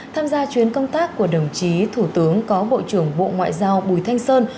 tham gia chuyến công tác của đồng chí thủ tướng có bộ trưởng bộ ngoại giao bùi thanh sơn